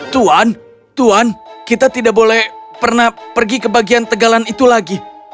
tuan tuhan kita tidak boleh pernah pergi ke bagian tegalan itu lagi